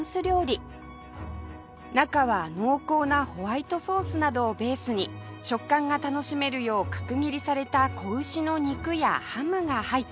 中は濃厚なホワイトソースなどをベースに食感が楽しめるよう角切りされた子牛の肉やハムが入っています